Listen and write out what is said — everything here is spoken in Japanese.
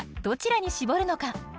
どちらに絞るのか。